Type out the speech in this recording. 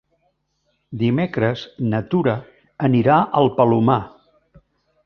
Dimecres na Tura anirà al Palomar.